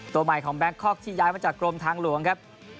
ตัวใหม่ของแบงคอกที่ย้ายมาจากกรมทางหลวงครับ